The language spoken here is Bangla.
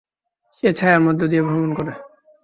সে ছায়ার মধ্য দিয়ে ভ্রমণ করে।